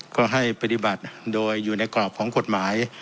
ก็ให้ปฏิบัติโดยอยู่ในกรอบของกฎหมาย